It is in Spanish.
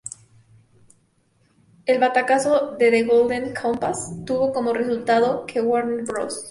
El batacazo de "The Golden Compass" tuvo como resultado que Warner Bros.